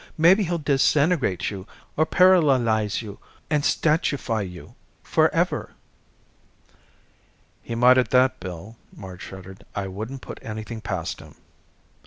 Maybe he'll disintegrate you. Or paralalize you and statuefy you. Forever." "He might at that, Bill," Marge shuddered. "I wouldn't put anything past him."